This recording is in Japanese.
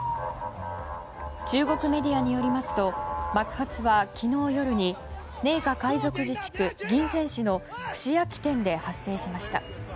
中国メディアによりますと爆発は昨日夜に寧夏回族自治区銀川市の串焼き店で発生しました。